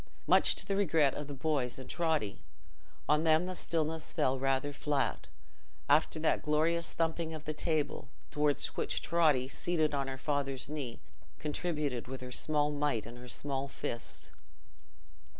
Much to the regret of the boys and Totty: on them the stillness fell rather flat, after that glorious thumping of the table, towards which Totty, seated on her father's knee, contributed with her small might and small fist.